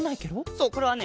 そうこれはね